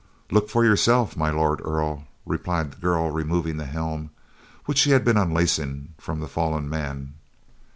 "Look for yourself, My Lord Earl," replied the girl removing the helm, which she had been unlacing from the fallen man.